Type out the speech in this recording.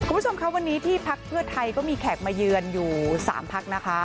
คุณผู้ชมครับวันนี้ที่พักเพื่อไทยก็มีแขกมาเยือนอยู่๓พักนะคะ